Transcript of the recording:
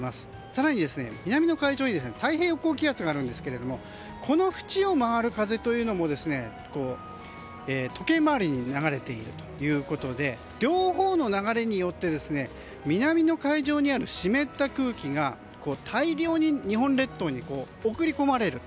更に南の海上に太平洋高気圧があるんですけどこの縁を回る風というのも時計回りに流れているということで両方の流れによって南の海上にある湿った空気が大量に日本列島に送り込まれる。